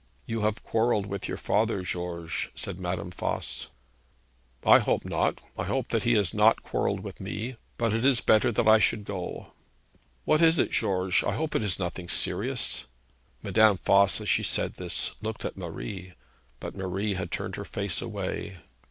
'You have quarrelled with your father, George,' said Madame Voss. 'I hope not. I hope that he has not quarrelled with me. But it is better that I should go.' 'What is it, George? I hope it is nothing serious.' Madame Voss as she said this looked at Marie, but Marie had turned her face away.